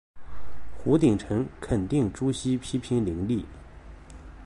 胡晋臣肯定朱熹批评林栗。